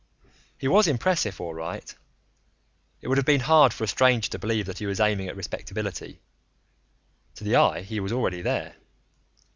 He was impressive, all right. It would have been hard for a stranger to believe that he was aiming at respectability; to the eye, he was already there.